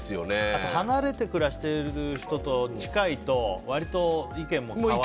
あと離れて暮らしてる人と近い人とは割と意見も変わったりね。